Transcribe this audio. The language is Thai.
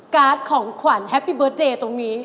การ์ดของขวัญแฮปปี้เบิร์ตเจตรงนี้